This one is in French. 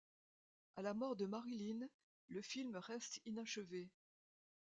À la mort de Marilyn le film reste inachevé.